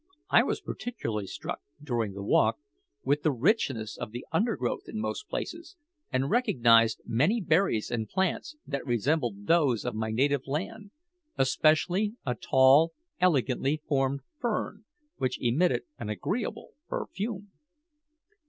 I was particularly struck, during the walk, with the richness of the undergrowth in most places, and recognised many berries and plants that resembled those of my native land, especially a tall, elegantly formed fern, which emitted an agreeable perfume.